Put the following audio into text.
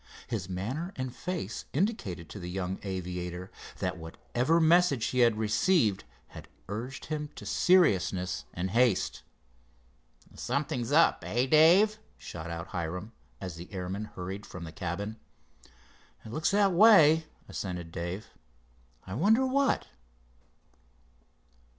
His manner and face indicated to the young aviator that whatever message he had received had urged him to seriousness and haste. "Something's up; eh, Dave?" shot out Hiram, as the airman hurried from the cabin. "It looks that way," assented Dave. "I wonder what?"